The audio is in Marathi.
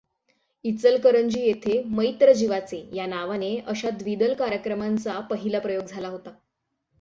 इचलकरंजी येथे मैत्र जीवाचे या नावाने अशा द्विदल कार्यक्रमांचा पहिला प्रयोग झाला होता.